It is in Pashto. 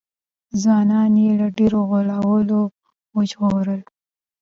ځوانان یې له ډېرو غولو وژغورل.